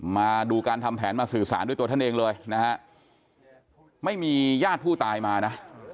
มาดูการทำแผนมาสื่อสารด้วยตัวท่านเองเลยนะฮะไม่มีญาติผู้ตายมานะ